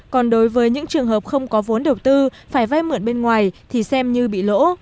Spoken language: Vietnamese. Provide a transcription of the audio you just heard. còn đối với những trường hợp không có vốn đầu tư phải vay mượn bên ngoài thì xem như bị lỗ